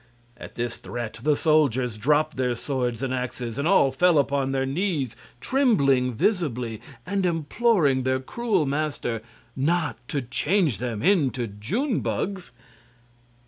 At this threat the soldiers dropped their swords and axes, and all fell upon their knees, trembling visibly and imploring their cruel master not to change them into june bugs.